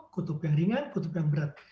kutub yang ringan kutub yang berat